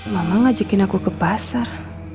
mama ngajakin aku ke pasar